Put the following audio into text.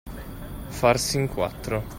Farsi in quattro.